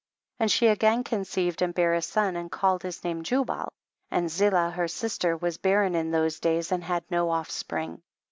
18. And she again conceived and bare a son, and culled his name Jii bal ; and Ziilah, her sis tor, was bar ren in those days and had no off spring.